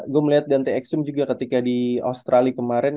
gue melihat dante exum juga ketika di australia kemarin